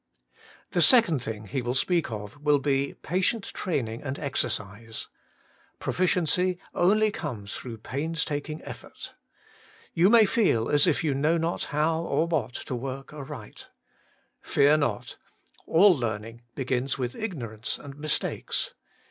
The second thing he will speak of will be patient training and exercise. Proficiency only comes through painstaking effort. You may feel as if you know not how or what to work aright. Fear not — all learning be gins with ignorance and mistakes.